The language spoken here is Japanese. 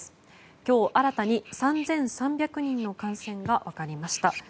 今日新たに３３００人の感染が分かりました。